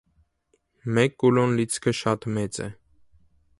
Մեկ կուլոն լիցքը շատ մեծ է։